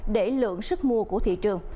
để lượng sức mua của thị trường